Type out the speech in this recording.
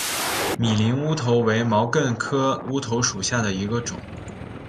米林乌头为毛茛科乌头属下的一个种。